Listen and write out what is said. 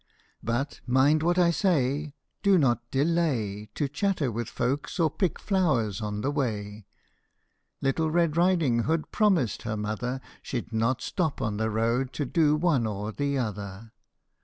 But mind what I say do not delay To chatter with folks or pick flowers on the way !" Little Red Riding Hood promised her mother She 'd not stop on the road to do one or the other.